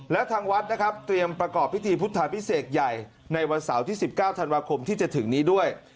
และทางวัดนะครับเตรียมประกอบพิธีพุทธาพิเศษใหญ่ในวันเสาร์ที่๑๙ธันวาคมที่จะถึงนี้ด้วย